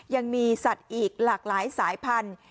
ยังมีสัตว์อีกหลากหลายสายพันธุ์